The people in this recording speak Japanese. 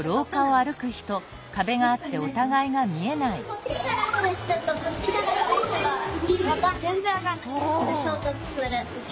・こっちから来る人とこっちから来る人が全然分かんない。